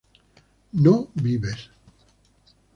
no vives